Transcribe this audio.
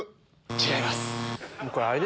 違います。